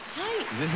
ぜひ。